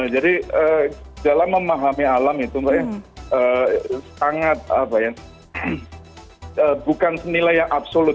jadi dalam memahami alam itu sangat bukan senilai yang absolut